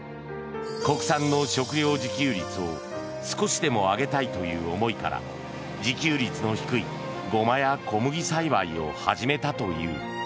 国産の食料自給率を少しでも上げたいという思いから自給率の低いゴマや小麦栽培を始めたという。